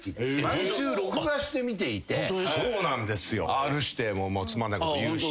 Ｒ−指定もつまんないこと言うし。